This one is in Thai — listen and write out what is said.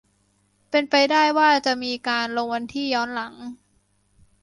เป็นไปได้ว่าจะมีการลงวันที่ย้อนหลัง